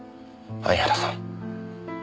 相原さん。